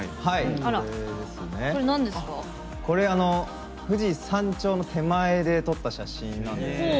これ、富士山頂の手前で撮った写真です。